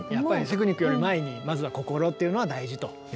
やっぱりテクニックより前にまずは心というのが大事と。と思って。